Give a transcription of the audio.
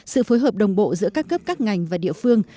sự phối hợp đồng bộ giữa các cấp các ngành và địa phương